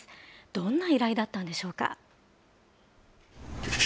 どんな依頼だったんでしょうか。